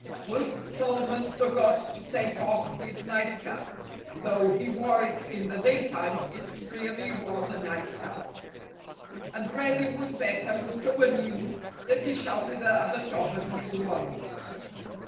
Once Solomon forgot to take off his nightcap (though he wore it in the daytime, it really was a nightcap). And Reddy Woodpecker was so amused that he shouted at the top of his lungs.